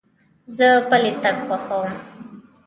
زه پلي تګ خوښوم.